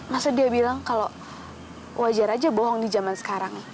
masa dia bilang kalau wajar aja bohong di zaman sekarang